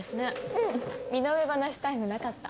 うん身の上話タイムなかった。